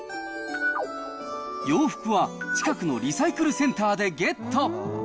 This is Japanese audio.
洋服は近くのリサイクルセンターでゲット。